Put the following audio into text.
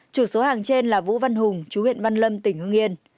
chủ số hàng trên là vũ văn hùng chú huyện văn lâm tỉnh hương yên